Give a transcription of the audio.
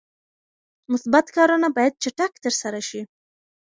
مثبت کارونه باید چټک ترسره شي.